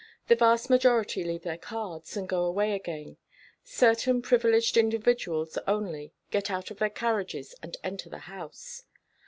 The vast majority leave their cards, and go away again. Certain privileged individuals only, get out of their carriages, and enter the house.